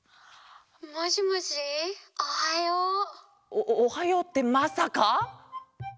おおはようってまさか！？